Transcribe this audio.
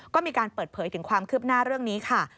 ก็มีการเปิดเผยถึงความคืบหน้าเรื่องนี้ค่ะ